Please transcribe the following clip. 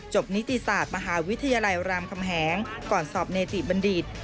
นิติศาสตร์มหาวิทยาลัยรามคำแหงก่อนสอบเนติบัณฑิต